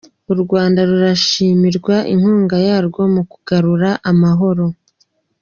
U Rwanda rurashimirwa inkunga yarwo mu kugarura amahoro